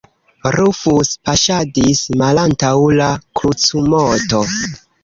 Rufus paŝadis malantaŭ la krucumoto.